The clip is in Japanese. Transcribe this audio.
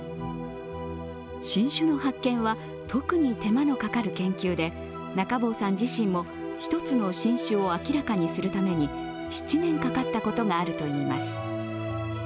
新種の発見は特に手間のかかる研究で、中坊さん自身も１つの新種を明らかにするために７年かかったことがあるといいます。